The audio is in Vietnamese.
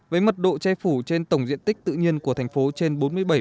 với mật độ che phủ trên tổng diện tích tự nhiên của thành phố trên bốn mươi bảy